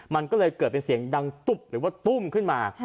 มันก็เลยเกิดเป็นเสียงดังตุ๊บหรือว่าตุ้มขึ้นมา